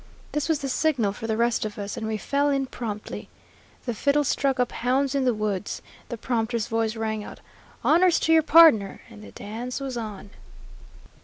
This was the signal for the rest of us, and we fell in promptly. The fiddles struck up "Hounds in the Woods," the prompter's voice rang out "Honors to your pardner," and the dance was on.